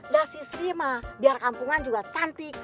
dasi siri mah biar kampungan juga cantik